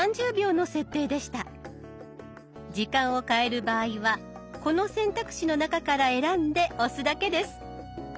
時間を変える場合はこの選択肢の中から選んで押すだけです。